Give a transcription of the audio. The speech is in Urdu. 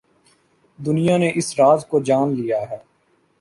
دنیا نے اس راز کو جان لیا ہے۔